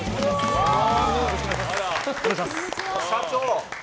社長！